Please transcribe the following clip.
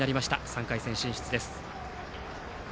３回戦進出です。